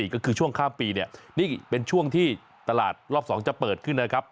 ก็คือช่วงข้ามปีเนี่ยนี่เป็นช่วงที่ตลาดรอบ๒จะเปิดขึ้นนะครับ